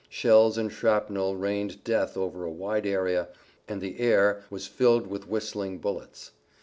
Shells and shrapnel rained death over a wide area, and the air was filled with whistling bullets.